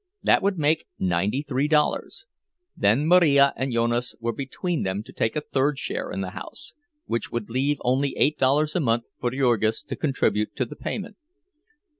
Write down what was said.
That would make ninety three dollars. Then Marija and Jonas were between them to take a third share in the house, which would leave only eight dollars a month for Jurgis to contribute to the payment.